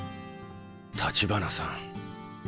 橘さん。